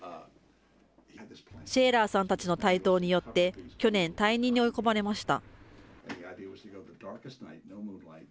シェーラーさんたちの台頭によって、去年退任に追い込まれました。